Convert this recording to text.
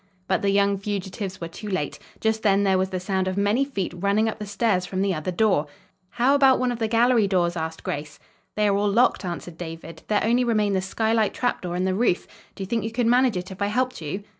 But the young fugitives were too late. Just then there was the sound of many feet running up the stairs from the other door. "How about one of the gallery doors?" asked Grace. "They are all locked," answered David. "There only remain the skylight trap door and the roof. Do you think you could manage it if I helped you?"